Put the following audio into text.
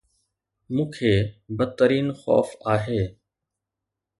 مون کي بدترين خوف آهي